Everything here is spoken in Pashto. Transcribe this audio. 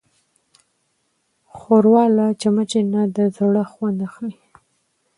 ښوروا له چمچۍ نه د زړه خوند اخلي.